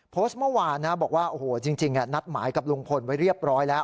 โพสต์เมื่อวานนะบอกว่าโอ้โหจริงนัดหมายกับลุงพลไว้เรียบร้อยแล้ว